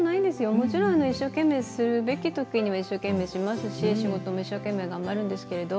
もちろん一生懸命するべきときには一生懸命しますし仕事も一生懸命頑張るんですけど。